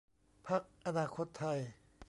พรรคอนาคตไทย